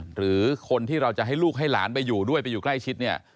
หรือคนที่เราจะให้ลูกให้หลานไปอยู่ด้วยไปอยู่ใกล้ชิดเนี่ย